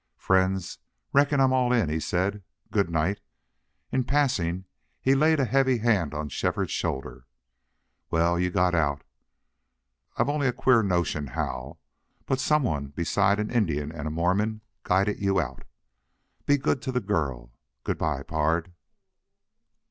"Friends, reckon I'm all in," he said. "Good night." In passing he laid a heavy hand on Shefford's shoulder. "Well, you got out. I've only a queer notion how. But SOME ONE besides an Indian and a Mormon guided you out!... Be good to the girl.... Good by, pard!"